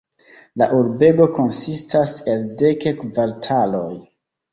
La urbego konsistas el dek kvartaloj.